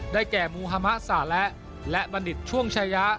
ได้แก่มูฮามะสาละและบรรดิษฐ์ช่วงชายะ